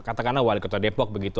katakanlah wali kota depok begitu